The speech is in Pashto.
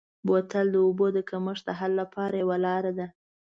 بوتل د اوبو د کمښت د حل یوه لاره ده.